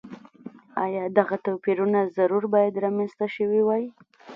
ایا دغه توپیرونه ضرور باید رامنځته شوي وای.